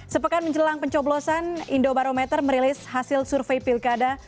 sepekan menjelang pencoblosan indobarometer merilis hasil survei pilkada